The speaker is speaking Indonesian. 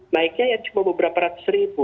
naiknya ya cuma beberapa ratus ribu